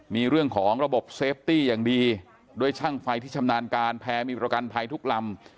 มีเรื่องของระบบเซฟตี้อย่างดีด้วยช่างไฟที่ชำนาญการแพ้มีประกันภัยทุกลำ